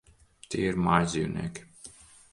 Tie ir mājdzīvnieki.